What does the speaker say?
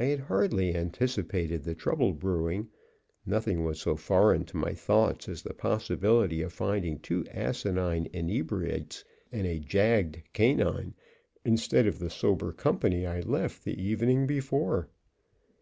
I had hardly anticipated trouble brewing; nothing was so foreign to my thoughts as the possibility of finding two asinine inebriates and a "jagged" canine instead of the sober company I left the evening before.